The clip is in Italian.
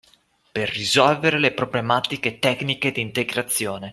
Per risolvere le problematiche tecniche di integrazione